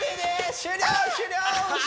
終了！